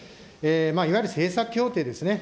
いわゆる政策協定ですね。